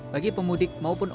bagi pemudik maupun orang lain